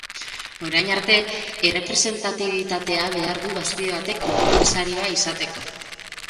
Orain arte, errepresentatitibitatea behar du bazkide batek konpromisarioa izateko.